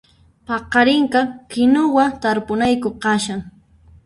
Paqarinqa kinuwa tarpunayku kashan